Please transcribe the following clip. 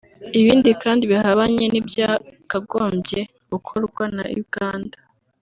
Ibi kandi bihabanye n’ibyakagombye gukorwa na Uganda